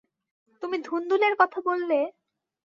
তুমি ধুন্দুলের কথা বললে?